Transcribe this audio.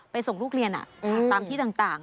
ส่งลูกเรียนตามที่ต่าง